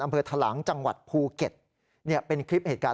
อำเภอทะลังจังหวัดภูเก็ตเป็นคลิปเหตุการณ์